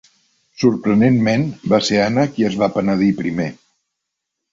Sorprenentment, va ser Anna qui es va penedir primer.